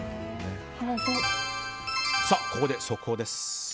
ここで速報です。